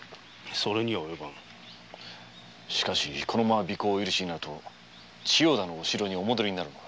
しかしこのまま尾行をお許しになると千代田のお城にお戻りになるのが。